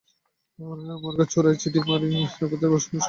মার্গ চোরাই চিঠি এবং মারি রোগেতের রহস্য বিখ্যাত গল্প।